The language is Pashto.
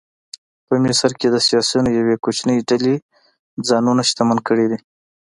په مصر کې د سیاسیونو یوې کوچنۍ ډلې ځانونه شتمن کړي دي.